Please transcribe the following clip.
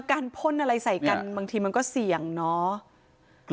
พ่นอะไรใส่กันบางทีมันก็เสี่ยงเนาะ